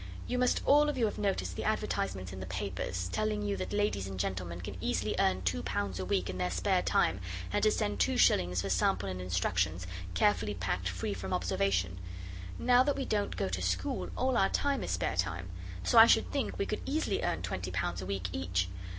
'You must all of you have noticed the advertisements in the papers, telling you that ladies and gentlemen can easily earn two pounds a week in their spare time, and to send two shillings for sample and instructions, carefully packed free from observation. Now that we don't go to school all our time is spare time. So I should think we could easily earn twenty pounds a week each.